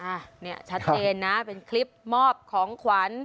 อ่ะเนี่ยชัดเจนนะเป็นคลิปมอบของขวัญ